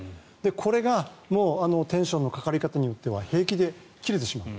これがテンションのかかり方によっては平気で切れてしまう。